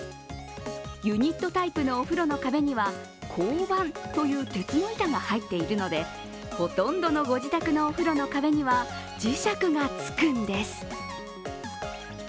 ユニットタイプのお風呂の壁には鋼板という鉄の板が入っているのでほとんどのご自宅のお風呂の壁には磁石がつくんです。